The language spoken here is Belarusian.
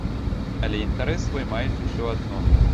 Але інтарэс свой маюць усё адно.